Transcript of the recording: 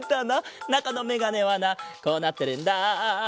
なかのメガネはなこうなってるんだ。